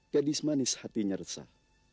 gadis manis hatinya resah